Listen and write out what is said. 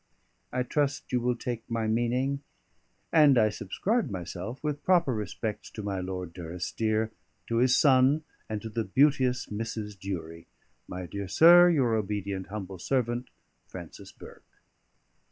I trust you will take my meaning, and I subscribe myself, with proper respects to my Lord Durrisdeer, to his son, and to the beauteous Mrs. Durie, My dear Sir, Your obedient humble Servant, FRANCIS BURKE.